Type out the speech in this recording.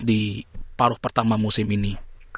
di paruh pertama musim ini